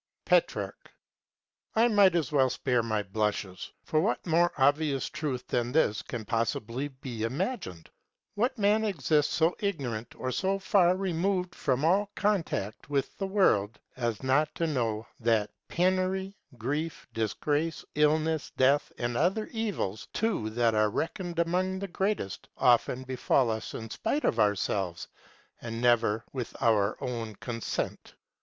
Petrarch. I might as well spare my blushes. For what more obvious truth than this can possibly be imagined? What man exists so ignorant or so far removed from all contact with the world as not to know that penury, grief, disgrace, illness, death, and other evils too that are reckoned among the greatest, often befall us in spite of ourselves, and never with our own consent?